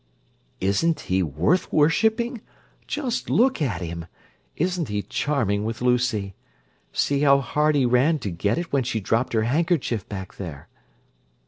"Isn't he worth worshipping? Just look at him! Isn't he charming with Lucy! See how hard he ran to get it when she dropped her handkerchief back there."